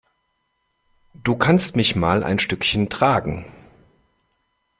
Du kannst mich mal ein Stückchen tragen.